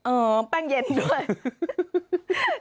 แป้งเย็นด้วย